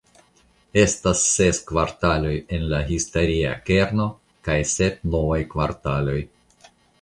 Estas ses kvartaloj en la historia kerno kaj sep novaj kvartaloj.